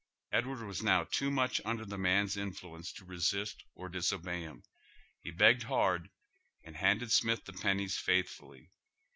Edward was now too inucfi under the maii'e influence to resist or dis obey him. He begged hard and handed Smith the pen nies faithfully.